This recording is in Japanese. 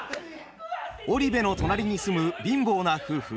織部の隣に住む貧乏な夫婦